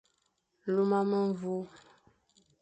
Luma memvur,